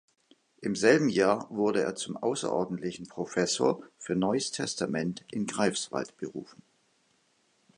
Im selben Jahr wurde er zum außerordentlichen Professor für Neues Testament in Greifswald berufen.